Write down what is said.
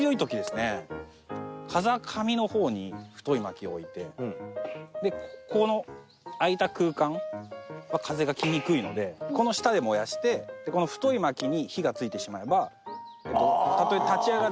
風上の方に太い薪を置いてでこの空いた空間は風が来にくいのでこの下で燃やしてこの太い薪に火がついてしまえばたとえ。